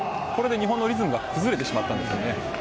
日本のリズムがこれで崩れてしまったんです。